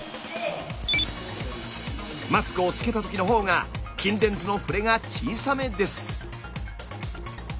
マスクをつけた時のほうが筋電図の振れが小さめです。